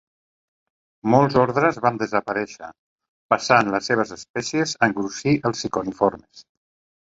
Molts ordres van desaparèixer, passant les seves espècies a engrossir els ciconiformes.